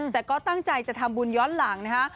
แต่ก็ตั้งใจจะทำบุญย้อนหลังนะคะ